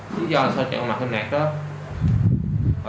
chứ do sao chạy mặt thêm nạt đó